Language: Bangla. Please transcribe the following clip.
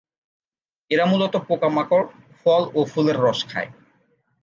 এরা মূলত পোকামাকড়, ফল ও ফুলের রস খায়।